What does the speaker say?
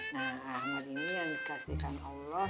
nah ahmad ini yang dikasihkan allah